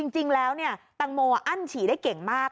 จริงแล้วตังโมอั้นฉี่ได้เก่งมาก